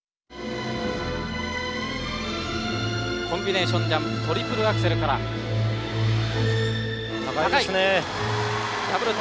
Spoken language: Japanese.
コンビネーションジャンプトリプルアクセルから高い！